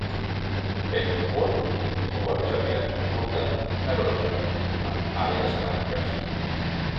Bec curt i cua més aviat curta, negrosa, amb àrees blanques.